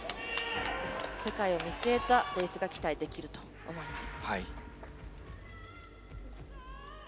世界を見据えたレースが期待できると思います。